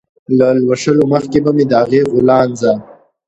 له لوشلو مخکې به مې د هغې غولانځه